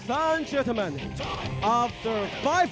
ก็จะไปกับที่สุดท้าย